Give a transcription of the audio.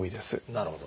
なるほど。